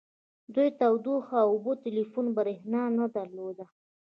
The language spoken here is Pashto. دوی تودوخه اوبه ټیلیفون او بریښنا نه درلوده